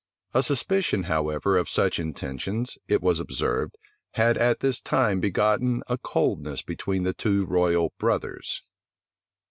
A suspicion, however, of such intentions, it was observed, had at this time begotten a coldness between the two royal brothers.